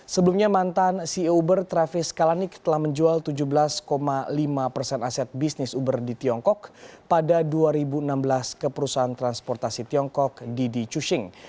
sebelumnya mantan ceo uber travis kalanik telah menjual tujuh belas lima persen aset bisnis uber di tiongkok pada dua ribu enam belas ke perusahaan transportasi tiongkok didi cushing